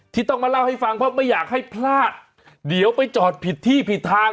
ที่ต้องมาเล่าให้ฟังเพราะไม่อยากให้พลาดเดี๋ยวไปจอดผิดที่ผิดทาง